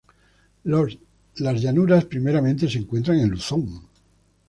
Los llanuras primeramente se encuentra en Luzón.